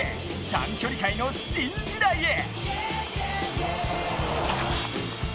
短距離界の新時代へ！